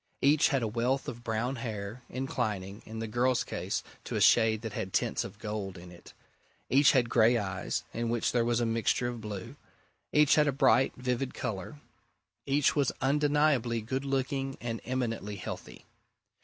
Each had a wealth of brown hair, inclining, in the girl's case to a shade that had tints of gold in it; each had grey eyes, in which there was a mixture of blue; each had a bright, vivid colour; each was undeniably good looking and eminently healthy.